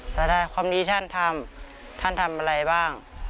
แสดงความดีท่านทำท่านทำอะไรบ้าง